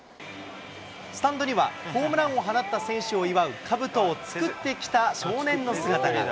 スタンドには、ホームランを放った選手を祝うかぶとを作ってきた少年の姿が。